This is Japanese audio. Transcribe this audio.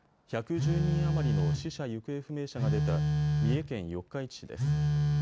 １１０人余りの死者・行方不明者が出た三重県四日市市です。